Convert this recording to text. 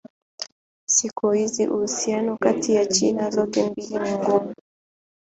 Siku hizi uhusiano kati ya China zote mbili ni mgumu.